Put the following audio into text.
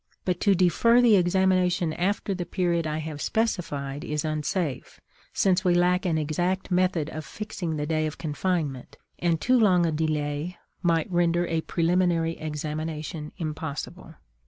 But to defer the examination after the period I have specified is unsafe since we lack an exact method of fixing the day of confinement, and too long a delay might render a preliminary examination impossible.